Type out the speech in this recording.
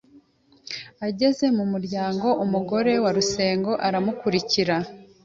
Ageze mu muryango, umugore wa Rusengo aramukurikira